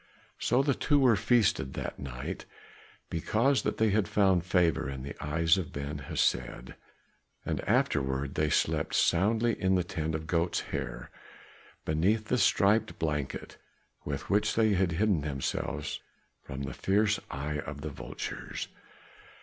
So the two were feasted that night, because that they had found favor in the eyes of Ben Hesed. And afterward they slept soundly in the tent of goat's hair, beneath the striped blanket with which they had hidden themselves from the fierce eyes of vultures.